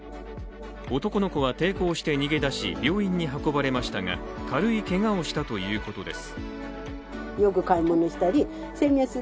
男の子は抵抗して逃げ出し病院に運ばれましたが、軽いけがをしたということです。